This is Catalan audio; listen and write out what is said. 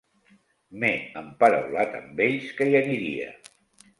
M'he emparaulat amb ells que hi aniria.